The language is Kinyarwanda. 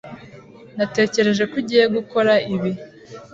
Natekereje ko ugiye gukora ibi.